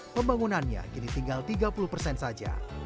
pembangunannya kini tinggal tiga puluh persen saja